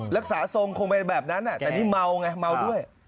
ทรงคงเป็นแบบนั้นแต่นี่เมาไงเมาด้วย